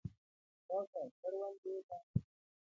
راسه کروندې له.